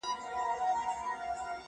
نوم چي د ښکلا اخلي بس ته به یې٫